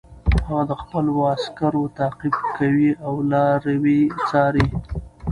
هغه د خپلو عسکرو تعقیب کوي او لاروي څاري.